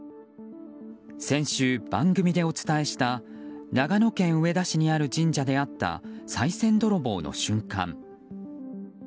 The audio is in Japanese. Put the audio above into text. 先週番組でお伝えした長野県上田市にある神社であったさい銭泥棒の瞬間。